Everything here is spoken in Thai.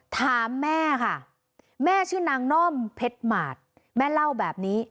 ถามแม่ค่ะแม่ชื่อนางน่อมเพชรหมาดแม่เล่าแบบนี้